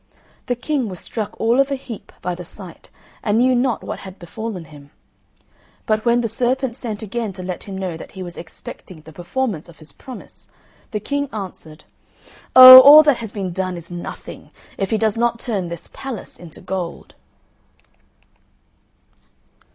The King was struck all of a heap by the sight, and knew not what had befallen him. But when the serpent sent again to let him know that he was expecting the performance of his promise, the King answered, "Oh, all that has been done is nothing, if he does not turn this palace into gold."